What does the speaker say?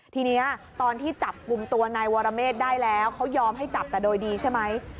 ทีนี้ตอนที่จับกลุ่มตัวนายวรเมฆได้แล้วเขายอมให้จับแต่โดยดีใช่ไหม